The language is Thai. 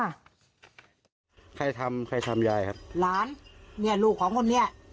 ใครทำใครทำยายครับหลานเนี่ยลูกของคนนี้